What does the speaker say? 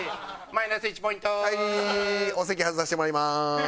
お席外させてもらいます。